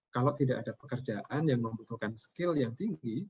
kalau tidak ada pekerjaan yang membutuhkan skill yang tinggi